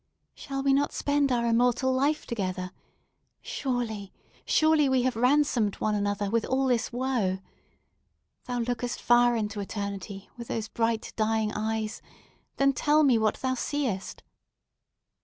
"Shall we not spend our immortal life together? Surely, surely, we have ransomed one another, with all this woe! Thou lookest far into eternity, with those bright dying eyes! Then tell me what thou seest!"